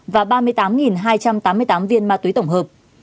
và ba mươi tám hai trăm tám mươi tám viên ma túy tổng hợp